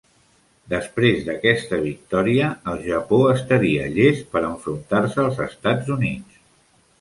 Després d'aquesta victòria, el Japó estaria llest per a enfrontar-se als Estats Units.